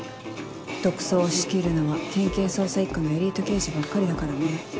特捜を仕切るのは県警捜査一課のエリート刑事ばっかりだからね。